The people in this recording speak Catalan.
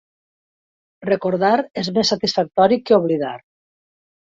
Recordar és més satisfactori que oblidar.